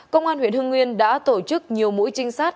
công an huyện hưng nguyên đã tổ chức nhiều mũi trinh sát